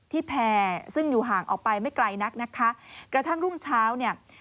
แพร่ซึ่งอยู่ห่างออกไปไม่ไกลนักนะคะกระทั่งรุ่งเช้าเนี่ย